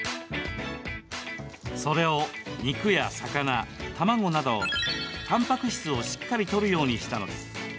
それを肉や魚、卵などたんぱく質をしっかりとるようにしたのです。